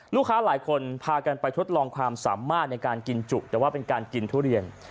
ลูกค้าหลายคนพากันไปทดลองความสามารถในการกินจุแต่ว่าเป็นการกินทุเรียน